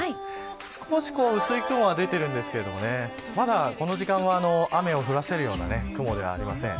少し薄い雲が出ているんですけれどもまだ、この時間は雨を降らせるような雲ではありません。